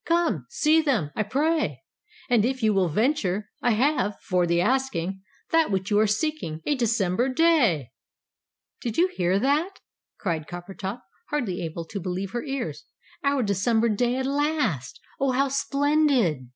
Come, see them, I pray. And if you will venture, I have for the asking That which you are seeking, A December day!" "Did you hear that?" cried Coppertop, hardly able to believe her ears. "Our December day at last! Oh, how splendid!"